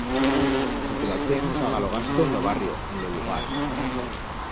Pa que la chent faga lo gasto en lo barrio, en lo lugar.